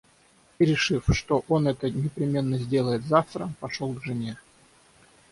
И, решив, что он это непременно сделает завтра, пошел к жене.